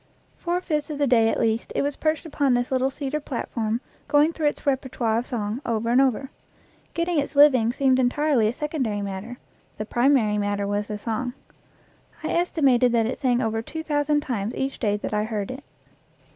Four fifths of the day at least it was perched upon this little cedar platform, going through its repertoire of song, over and over. Getting its living seemed entirely a secondary matter; the primary matter was the song. I estimated that it sang over two thousand times each day that I heard it.